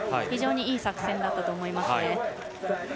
非常にいい作戦だったと思います。